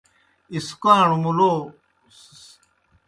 اِسکاݨوْ مُلو سم پشبا نانوْ۔